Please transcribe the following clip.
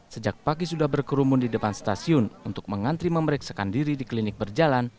sejak pagi sudah berkerumun di depan stasiun untuk mengantri memeriksakan diri di klinik berjalan